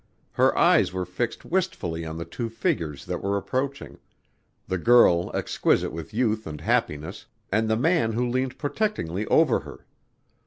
Her eyes were fixed wistfully on the two figures that were approaching, the girl exquisite with youth and happiness and the man who leaned protectingly over her.